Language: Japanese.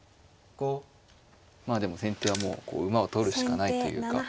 まあでも先手はもう馬を取るしかないというか。